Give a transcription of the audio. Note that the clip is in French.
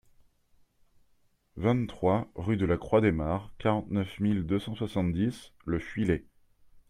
vingt-trois rue de la Croix des Mares, quarante-neuf mille deux cent soixante-dix Le Fuilet